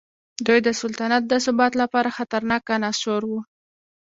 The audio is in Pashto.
دوی د سلطنت د ثبات لپاره خطرناک عناصر وو.